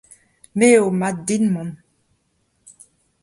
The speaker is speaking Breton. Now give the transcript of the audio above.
Me eo mat din mont.